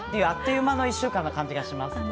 あっという間の１週間な気がします。